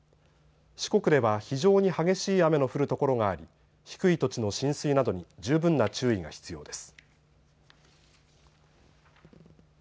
四国では非常に激しい雨の降る所があり、低い土地の浸水などに十分な注意が必要です。